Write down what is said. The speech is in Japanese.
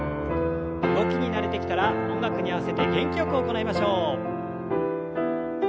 動きに慣れてきたら音楽に合わせて元気よく行いましょう。